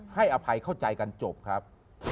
อภัยเข้าใจกันจบครับ